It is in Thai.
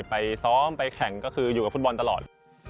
ไปซ้อมไปแข่งก็คืออยู่กับฟุตบอลตลอด